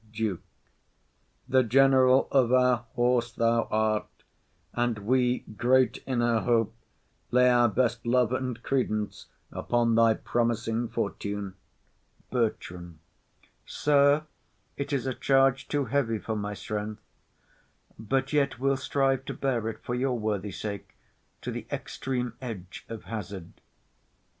DUKE. The general of our horse thou art, and we, Great in our hope, lay our best love and credence Upon thy promising fortune. BERTRAM. Sir, it is A charge too heavy for my strength; but yet We'll strive to bear it for your worthy sake To th'extreme edge of hazard.